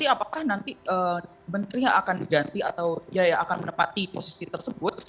apakah nanti menteri yang akan diganti atau yang akan menepati posisi tersebut